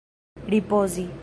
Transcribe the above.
ripozi